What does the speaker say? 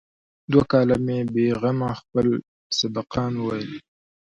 دوه کاله مې بې غمه خپل سبقان وويل.